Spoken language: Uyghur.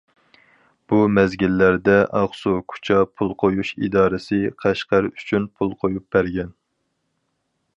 بۇ مەزگىللەردە ئاقسۇ، كۇچا پۇل قۇيۇش ئىدارىسى قەشقەر ئۈچۈن پۇل قۇيۇپ بەرگەن.